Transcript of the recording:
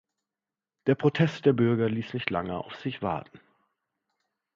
Der Protest der Bürger ließ nicht lange auf sich warten.